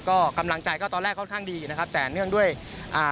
ก็กำลังใจก็ตอนแรกค่อนข้างดีนะครับแต่เนื่องด้วยอ่า